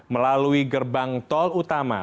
melalui gerbang tol utama